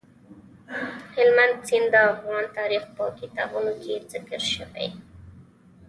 هلمند سیند د افغان تاریخ په کتابونو کې ذکر شوی دی.